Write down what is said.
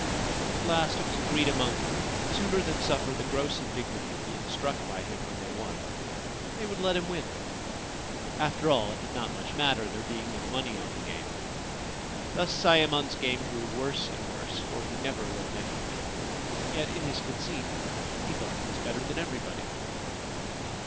At last it was agreed among them that sooner than suffer the gross indignity of being struck by him when they won they would let him win. After all, it did not much matter, there being no money on the game. Thus Sayemon's game grew worse and worse, for he never learned anything ; yet in his conceit he thought he was better than everybody.